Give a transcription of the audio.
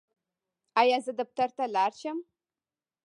ایا زه دفتر ته لاړ شم؟